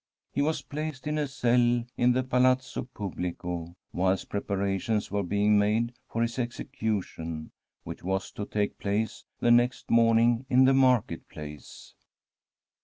He was placed in a cell in the Palazzo Publico whilst preparations were being made for his execution, which was to take place the next morning in the Market Place.